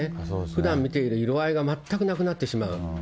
ふだん見ている色合いが全くなくなってしまう。